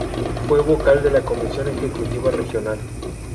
Fue vocal de la Comisión Ejecutiva Regional.